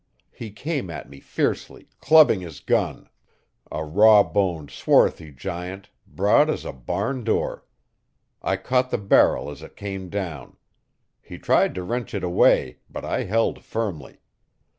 He came at me fiercely, clubbing his gun a raw boned, swarthy giant, broad as a barn door. I caught the barrel as it came down. He tried to wrench it away, but I held firmly.